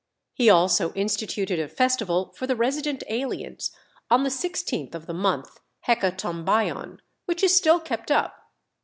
He also instituted a festival for the resident aliens, on the sixteenth of the month, Hecatombaion, which is still kept up.